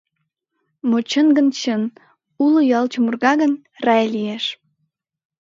Мо чын гын, чын: уло ял чумырга гын, рай лиеш.